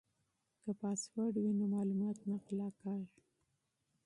که پاسورډ وي نو معلومات نه غلا کیږي.